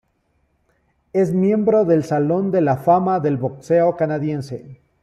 Es miembro del "Salón de la Fama" del boxeo canadiense.